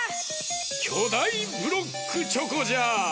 きょだいブロックチョコじゃ！